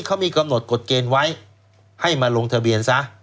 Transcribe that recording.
เขามีกำหนดกฎเกณฑ์ไว้ให้มาลงทะเบียนซะ